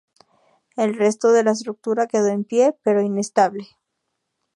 El resto de la estructura quedó en pie pero inestable.